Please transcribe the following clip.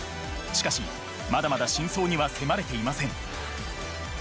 しかしまだまだ真相には迫れていません